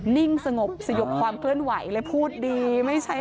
นิ่งสงบสยบความเคลื่อนไหวเลยพูดดีไม่ใช่